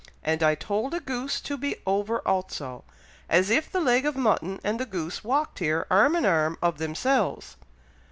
and I told a goose to be over also,' as if the leg of mutton and the goose walked here, arm in arm, of themselves."